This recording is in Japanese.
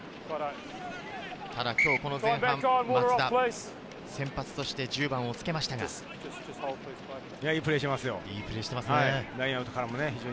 この前半、松田、先発として１０番をつけましたが、いいプレーをしてますね。